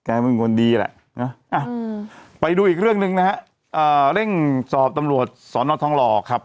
อ่ะอืมไปดูอีกเรื่องหนึ่งนะฮะเอ่อเร่งสอบตำรวจสอนอทองหล่อครับ